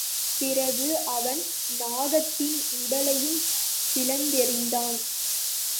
பிறகு அவன் நாகத்தின் உடலையும் பிளந்தெறிந்தான்.